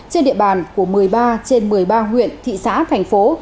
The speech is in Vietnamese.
trên địa bàn của một mươi ba trên một mươi ba huyện thị xã thành phố